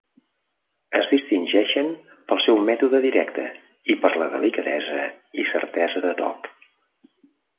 Es distingeixen pel seu mètode directe i per la delicadesa i certesa de toc.